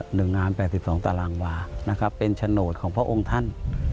หนึ่งงาน๘๒ตารางวาเป็นโฉนดของพระองค์ท่าน